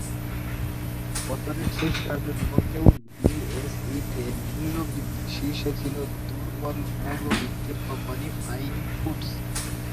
বছরের শেষ কার্যদিবসেও ডিএসইতে মূল্য বৃদ্ধির শীর্ষে ছিল দুর্বল মৌলভিত্তির কোম্পানি ফাইন ফুডস।